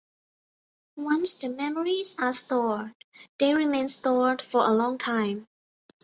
Once the memories are stored, they remain stored for a long time.